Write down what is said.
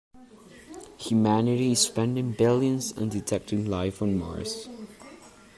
Humanity is spending billions on detecting life on Mars.